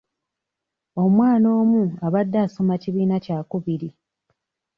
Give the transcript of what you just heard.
Omwana omu abadde asoma kibiina kya kubiri.